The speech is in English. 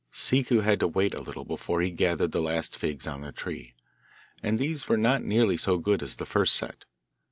Ciccu had to wait a little before he gathered the last figs on the tree, and these were not nearly so good as the first set.